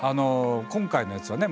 今回のやつはね